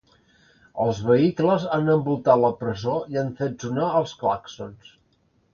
Els vehicles han envoltat la presó i han fet sonar els clàxons.